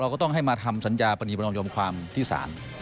ก็ต้องให้มาทำสัญญาปณีประนอมยอมความที่ศาล